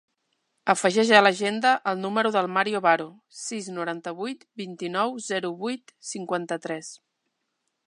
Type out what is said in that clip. Afegeix a l'agenda el número del Mario Baro: sis, noranta-vuit, vint-i-nou, zero, vuit, cinquanta-tres.